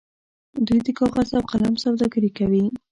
دوی د کاغذ او قلم سوداګري کوي.